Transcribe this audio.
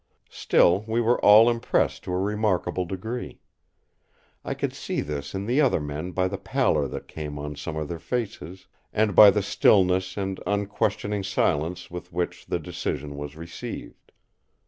Still, we were all impressed to a remarkable degree. I could see this in the other men by the pallor that came on some of their faces, and by the stillness and unquestioning silence with which the decision was received.